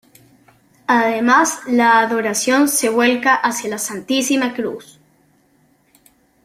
Además la adoración se vuelca hacia la Santísima Cruz.